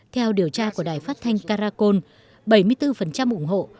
theo điều tra của đài phát thanh carakon bảy mươi bốn ủng hộ